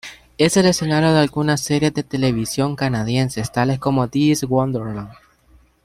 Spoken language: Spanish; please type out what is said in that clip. Es el escenario de algunas series de televisión canadienses, tales como "This is Wonderland".